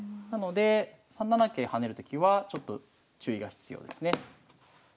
なので３七桂跳ねるときはちょっと注意が必要ですね。